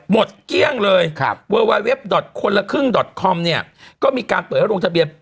หมดเกี้ยงเลยเวลาเว็บคนละครึ่งคอมเนี่ยก็มีการเปิดให้โรงทะเบียน